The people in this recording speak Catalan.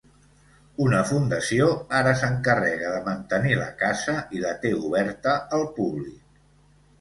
Una fundació ara s"encarrega de mantenir la casa i la té oberta al públic.